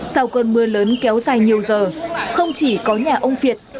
sau cơn mưa lớn kéo dài nhiều giờ không chỉ có nhà ông việt